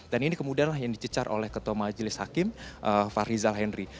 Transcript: dan ini kemudian yang dicecar oleh ketua majelis hakim faryjal henry